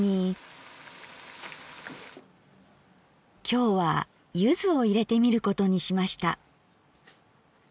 きょうは柚子を入れてみることにしました。